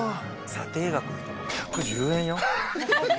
査定額１１０円よ。